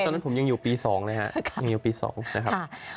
ตอนนั้นผมยังอยู่ปี๒เลยค่ะ